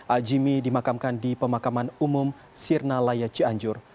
a a jimmy dimakamkan di pemakaman umum sirna laya cianjur